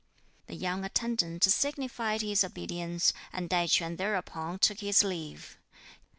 The young attendant signified his obedience, and Tai Ch'üan thereupon took his leave.